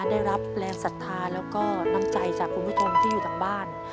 ได้รับแรงศรัทธาแล้วก็น้ำใจจากคุณผู้ชมที่อยู่ทางบ้าน